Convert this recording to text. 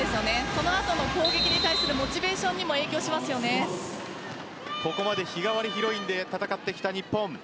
その後の攻撃に対するモチベーションにもここまで日替わりヒロインで戦ってきた日本。